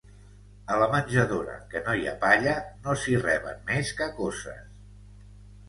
A la menjadora que no hi ha palla no s'hi reben més que coces.